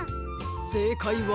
せいかいは。